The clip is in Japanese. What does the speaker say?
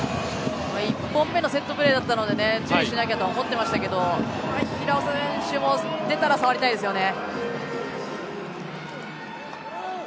１本目のセットプレーだったので注意しなきゃと思っていましたが平尾選手も出たら触りたいですよね。